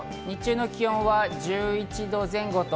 日中の気温は１１度前後。